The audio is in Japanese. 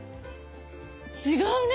違うね。